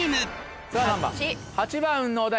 ８番のお題